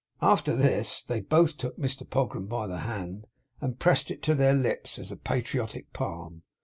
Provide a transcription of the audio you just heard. After this, they both took Mr Pogram by the hand, and pressed it to their lips, as a patriotic palm.